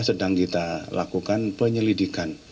sedang kita lakukan penyelidikan